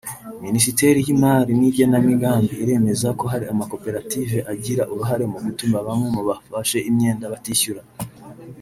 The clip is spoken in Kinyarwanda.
Minisiteri y’imari n’igenamigambi iremeza ko hari amakoperative agira uruhare mu gutuma bamwe mu bafashe imyenda batishyura